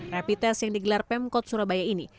rapid test yang digelar pemkot surabaya ini